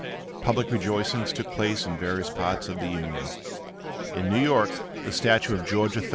Public rejoicings took place in various parts of the Union. In New York, the statue of George III.